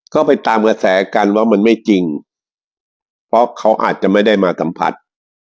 ก็ไปตามกระแสกันว่ามันไม่จริงเพราะเขาอาจจะไม่ได้มากำพัด